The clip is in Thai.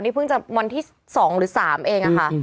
นี่เพิ่งจะวันที่๒หรือ๓เองอะค่ะ